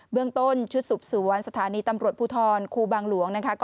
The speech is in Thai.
เบื้องต้นชุดสุบสู่วันสถานีตำรวจภูทรคู่บางหลวง